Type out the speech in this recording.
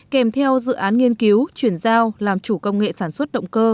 kèm theo dự án nghiên cứu chuyển giao làm chủ công nghệ sản xuất động cơ